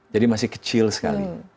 jadi masih kecil sekali